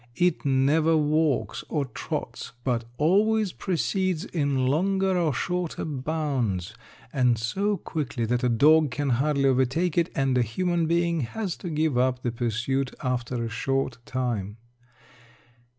It never walks or trots, but always proceeds in longer or shorter bounds, and so quickly that a dog can hardly overtake it, and a human being has to give up the pursuit after a short time.